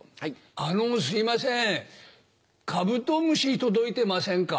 あのすいませんカブトムシ届いてませんか？